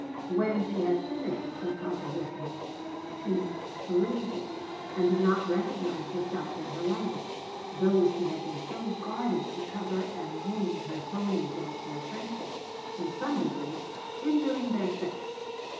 When she had finished the composition she perused it, and did not recognize herself in her language, though she had been so guarded to cover the wound her Tony dealt their friendship in some degree injuring their sex.